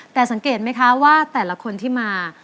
แต่สังเกตไหมคะว่าแต่ละคนที่มา